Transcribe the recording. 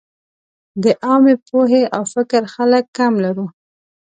د عامې پوهې او فکر خلک کم لرو.